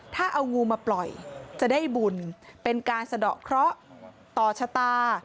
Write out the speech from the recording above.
ถ้าเอางูมาปล่อยจะได้บุญเป็นการสะดอกเคราะห์ต่อชะตา